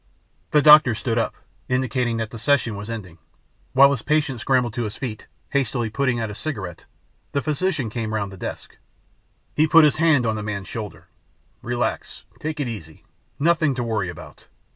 The doctor stood up, indicating that the session was ending. While his patient scrambled to his feet, hastily putting out his cigarette, the physician came around the desk. He put his hand on the man's shoulder, "Relax, take it easy nothing to worry about.